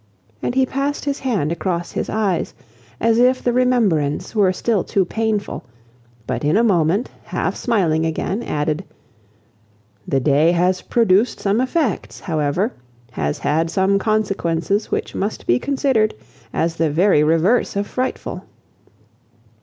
and he passed his hand across his eyes, as if the remembrance were still too painful, but in a moment, half smiling again, added, "The day has produced some effects however; has had some consequences which must be considered as the very reverse of frightful.